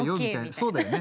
そうだよね。